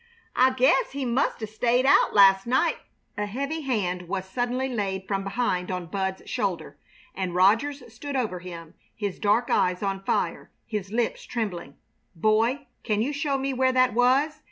I guess he must 'a' stayed out last night " A heavy hand was suddenly laid from behind on Bud's shoulder, and Rogers stood over him, his dark eyes on fire, his lips trembling. "Boy, can you show me where that was?"